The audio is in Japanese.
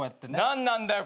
何なんだよ